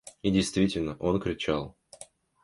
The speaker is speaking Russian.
И действительно, он кричал.